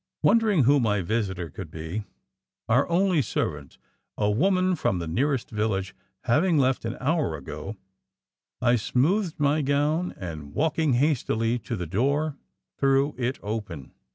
Wondering who my visitor could be our only servant, a woman from the nearest village, having left an hour ago I smoothed my gown and walking hastily to the door threw it open.